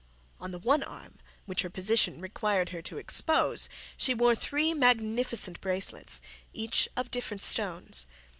On the one arm which her position required her to expose she wore three magnificent bracelets, each of different stones.